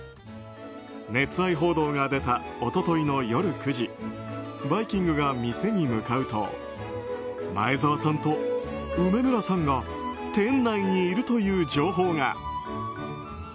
熱愛報道が出た一昨日の夜９時「バイキング」が店に向かうと前澤さんと梅村さんが店内にいるという情報が。